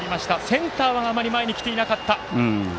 センターは、あまり前に来ていなかった。